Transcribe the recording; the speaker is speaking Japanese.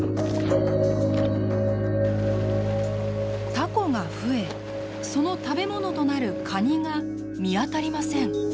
タコが増えその食べ物となるカニが見当たりません。